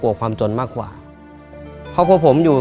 รายการต่อไปนี้เป็นรายการทั่วไปสามารถรับชมได้ทุกวัย